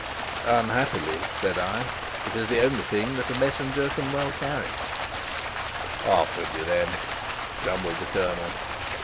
"Unhappily," said I, "it's the only thing that a messenger can well carry." "Off with you, then," grumbled the colonel.